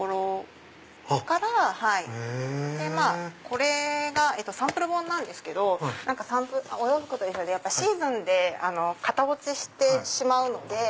これがサンプル本なんですけどお洋服と一緒でシーズンで型落ちしてしまうので。